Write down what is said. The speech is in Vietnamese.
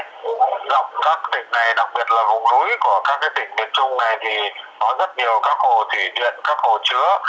lọc các tỉnh này đặc biệt là vùng núi của các tỉnh miền trung này thì có rất nhiều các hồ thủy điện các hồ chứa